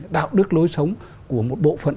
đạo đức lối sống của một bộ phận